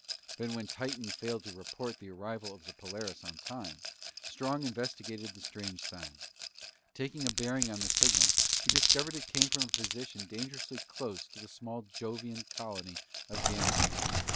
But when Titan failed to report the arrival of the Polaris on time, Strong investigated the strange sound. Taking a bearing on the signal, he discovered it came from a position dangerously close to the small Jovian colony of Ganymede.